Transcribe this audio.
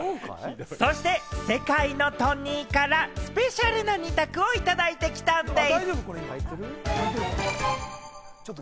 そして世界のトニーから、スペシャルな二択をいただいてきたんでぃす！